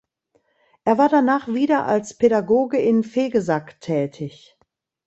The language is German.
Er war danach wieder als Pädagoge in Vegesack tätig.